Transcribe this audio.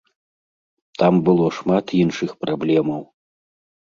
Там было шмат іншых праблемаў.